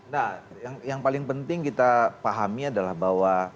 nah yang paling penting kita pahami adalah bahwa